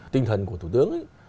tinh thần của thủ tướng